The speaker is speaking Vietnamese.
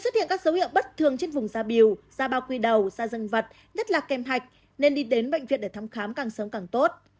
xuất hiện các dấu hiệu bất thường trên vùng da biêu da bao quy đầu da dân vật nhất là kem hạch nên đi đến bệnh viện để thăm khám càng sớm càng tốt